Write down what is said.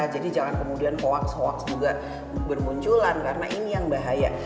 jadi jangan kemudian hoax hoax juga bermunculan karena ini yang bahaya